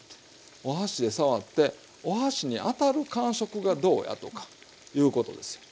お箸で触ってお箸に当たる感触がどうやとかいうことですよ。